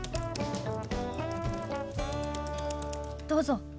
どうぞ。